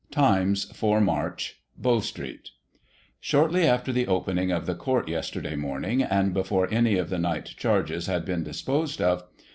Times, 4 March : Bow. Street.— Shortly after the. opening of the court yesterday morning, and before any of the night charges had been disposed of.